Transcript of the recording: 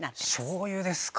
しょうゆですか。